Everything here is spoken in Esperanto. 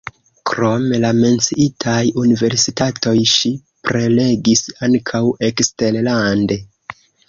Krom la menciitaj universitatoj ŝi prelegis ankaŭ eksterlande.